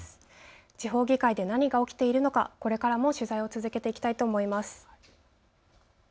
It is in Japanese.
地方議会で何が起きているのかこれからも取材を続けていきたいと思います。